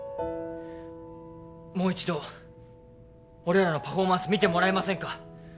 もう一度俺らのパフォーマンス見てもらえませんか？